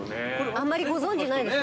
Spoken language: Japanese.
あんまりご存じないでしょ？